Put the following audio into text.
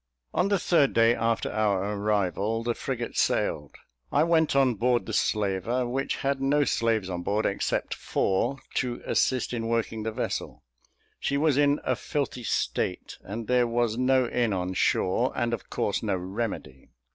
On the third day after our arrival, the frigate sailed. I went on board the slaver, which had no slaves on board except four to assist in working the vessel; she was in a filthy state, and there was no inn on shore, and of course no remedy.